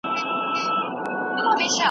بدلون سم مديريت غواړي.